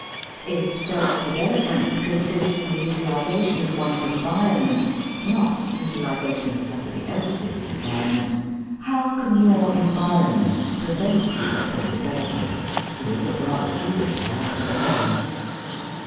If self development consists in the utilisation of one's environment (not utilisation of somebody else's environment), how can your environment prevent you from developing? You would look rather foolish without it, anyway.